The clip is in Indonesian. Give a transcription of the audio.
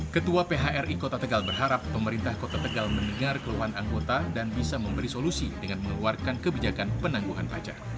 ketua phri kota tegal berharap pemerintah kota tegal mendengar keluhan anggota dan bisa memberi solusi dengan mengeluarkan kebijakan penangguhan pajak